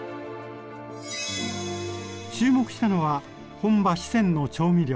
注目したのは本場四川の調味料。